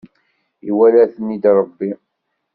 Iwala-ten-id Rebbi.